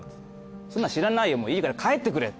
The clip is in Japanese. そんなん知らないよもういいから帰ってくれ。